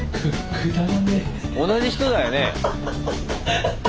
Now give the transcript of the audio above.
同じ人だよね？